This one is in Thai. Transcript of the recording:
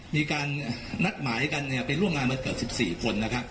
มีการนักหมายกันเนี้ยเป็นร่วมงานวันเกิดสิบสี่คนนะครับ